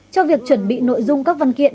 cho việc chuẩn bị nội dung các văn kiện